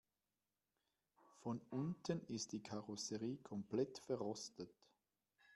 Von unten ist die Karosserie komplett verrostet.